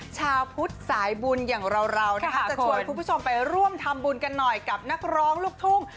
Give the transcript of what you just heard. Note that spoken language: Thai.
ชาวพุทธสายบุญอย่างเรานะคะจะชวนคุณผู้ชมไปร่วมทำบุญกันหน่อยกับนักร้องลูกทุ่ง